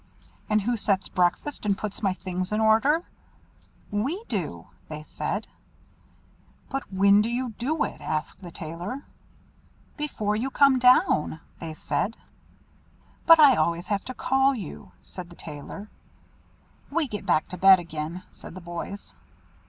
"And who sets breakfast, and puts my things in order?" "We do," said they. "But when do you do it?" asked the Tailor. "Before you come down," said they. "But I always have to call you," said the Tailor. "We get back to bed again," said the boys.